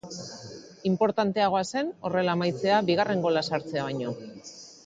Inportanteagoa zen horrela amaitzea bigarren gola sartzea baino.